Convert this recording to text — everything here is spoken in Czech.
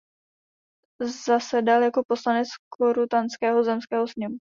Zasedal jako poslanec Korutanského zemského sněmu.